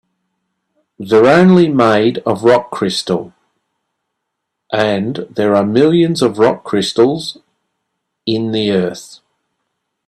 They're only made of rock crystal, and there are millions of rock crystals in the earth.